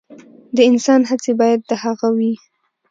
د انسان هڅې باید د هغه وي.